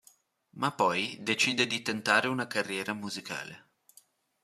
Ma poi, decide di tentare una carriera musicale.